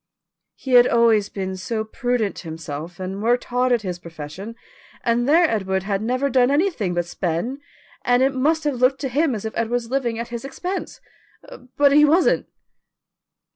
"He had always been so prudent himself, and worked hard at his profession, and there Edward had never done anything but spend, and it must have looked to him as if Edward was living at his expense, but he wasn't."